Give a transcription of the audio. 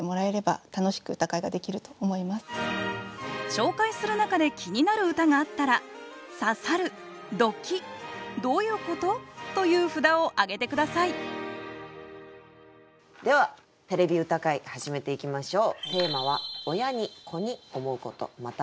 紹介する中で気になる歌があったら「刺さる」「ドキッ」「どういうこと？」という札を挙げて下さいでは「てれび歌会」始めていきましょう。